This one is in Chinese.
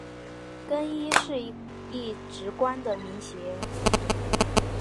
更衣是一个职官的名衔。